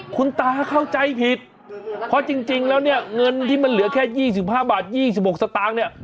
คุณตาเข้าใจผิดเพราะจริงแล้วเนี่ยเงินที่มันเหลือแค่๒๕บาท๒๖สตางค์เนี่ย